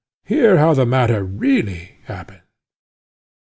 Hear how the matter really happened."